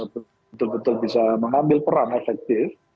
betul betul bisa mengambil peran efektif